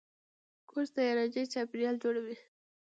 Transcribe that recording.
کورس د یارانې چاپېریال جوړوي.